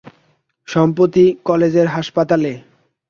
সম্প্রতি কালেজের হাসপাতালে।